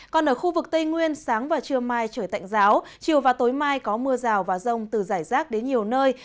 còn ở khu vực tây nguyên sáng và trưa mai trời tạnh giáo chiều và tối mai có mưa rào và rông từ giải rác đến nhiều nơi